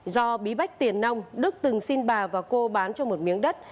do bí bách tiền nông đức từng xin bà và cô bán cho một miếng đất